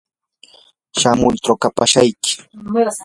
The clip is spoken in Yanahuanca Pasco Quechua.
shamuy trukapashayki.